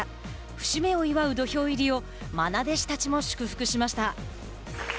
節目を祝う土俵入りをまな弟子たちも祝福しました。